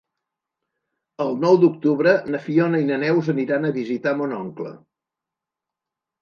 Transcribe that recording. El nou d'octubre na Fiona i na Neus aniran a visitar mon oncle.